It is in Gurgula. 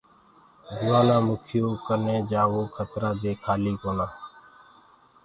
جوآلآ مُکيٚ يو ڪني جآوو کترآ دي کآلي ڪونآ۔